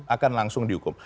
akan langsung dihukum